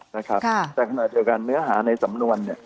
แต่ขณะเดียวกันเนื้อหาในสำนวนเนี่ย